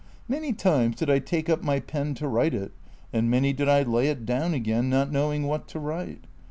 Many times did I take up my pen to write it, and many did I lay it down again, not knowing what to write.